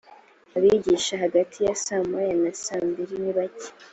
abigisha hagati ya saa moya na saambiri nibake.